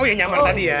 oh yang nyamar tadi ya